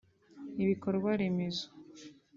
Ibikorwa remezo